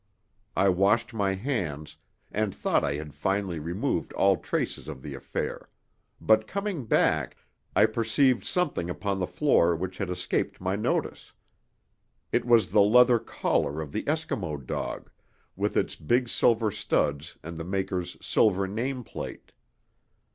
I washed my hands, and thought I had finally removed all traces of the affair; but, coming back, I perceived something upon the floor which had escaped my notice. It was the leather collar of the Eskimo dog, with its big silver studs and the maker's silver name plate.